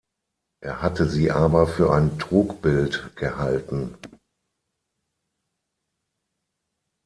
Er hatte sie aber für ein Trugbild gehalten.